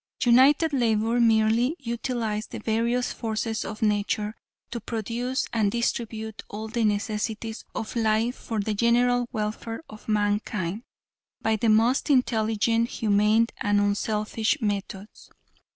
"United labor merely utilized the various forces of nature, to produce and distribute all the necessities of life for the general welfare of mankind, by the most intelligent, humane, and unselfish methods."